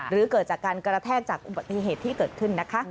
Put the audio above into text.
หรือเกิดจากการกระแทกจากอุบัติเหตุที่เกิดขึ้นนะคะ